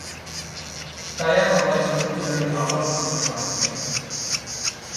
Saya membaca buku dari awal sampai akhir.